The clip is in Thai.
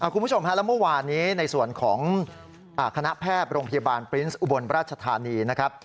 คุณผู้ชมฮะแล้วเมื่อวานนี้ในส่วนของคณะแพทย์โรงพยาบาลปรินส์อุบลราชธานีนะครับ